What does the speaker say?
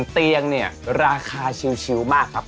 ๑เตียงราคาชิวมากครับ